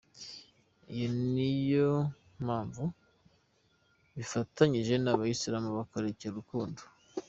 Iyo niyo mpamvu bifatanyije n’abayisilamu bakabereka urukundo.